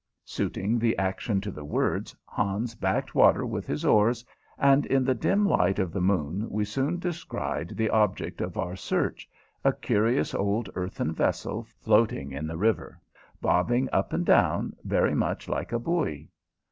Suiting the action to the words, Hans backed water with his oars, and in the dim light of the moon we soon descried the object of our search a curious old earthen vessel floating in the river, bobbing up and down very much like a buoy.